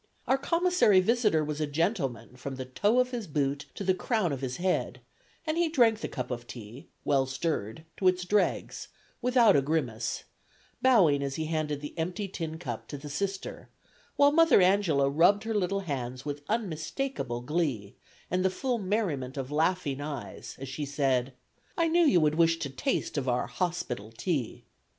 Our Commissary visitor was a gentleman from the toe of his boot to the crown of his head, and he drank the cup of tea, well stirred, to its dregs, without a grimace, bowing as he handed the empty tincup to the Sister, while Mother Angela rubbed her little hands with unmistakable glee, and the full merriment of laughing eyes, as she said: "I knew, Mr. , you would wish to taste of our hospital tea!"